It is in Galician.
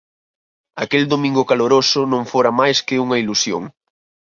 Aquel domingo caloroso non fora máis que unha ilusión.